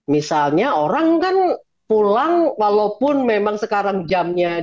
misalnya orang kan pulang walaupun memang sekarang jamnya